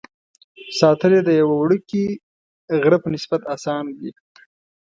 ساتل یې د یوه وړوکي غره په نسبت اسانه دي.